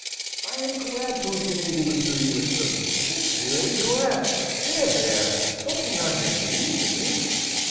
"I am glad to have been able to do you a service sincerely glad. There there! Don't be on your knees to me!"